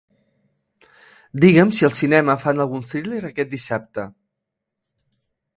Digue'm si al cinema fan algun thriller aquest dissabte.